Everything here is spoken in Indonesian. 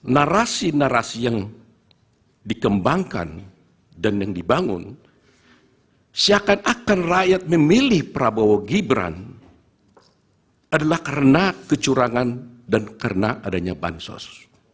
narasi narasi yang dikembangkan dan yang dibangun seakan akan rakyat memilih prabowo gibran adalah karena kecurangan dan karena adanya bansos